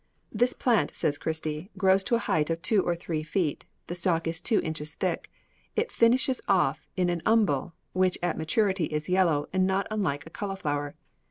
"This plant," says Christie, "grows to a height of two or three feet, the stalk is two inches thick; it finishes off in an umbel which at maturity is yellow, and not unlike a cauliflower.